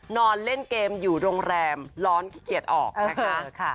นอนเล่นเกมอยู่โรงแรมร้อนขี้เกียจออกนะคะ